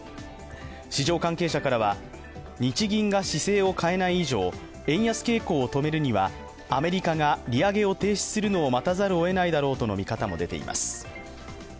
市場関係者からは、日銀が姿勢を変えない以上円安傾向を止めるにはアメリカが利上げを停止するのを待たざるをえないだろうとの見方も出ています。